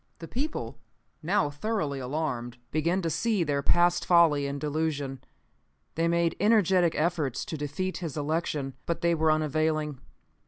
The people, now thoroughly alarmed, began to see their past folly and delusion. They made energetic efforts to defeat his election. But they were unavailing.